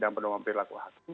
dan penuh mampir laku hakim